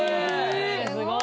すごい！